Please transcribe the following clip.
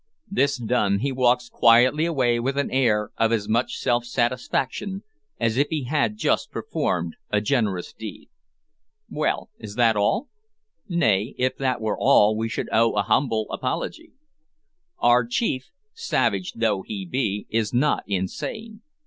This done, he walks quietly away with an air of as much self satisfaction as if he had just performed a generous deed. Well, is that all? Nay, if that were all we should owe you a humble apology. Our chief, "savage" though he be, is not insane.